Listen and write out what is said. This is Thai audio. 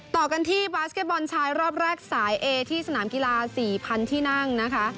ต่อกันที่บาสเก็ตบอลชายรอบแรกสายเอที่สนามกีฬา๔๐๐๐ที่นั่งนะคะ